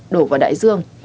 đổ vào đại dương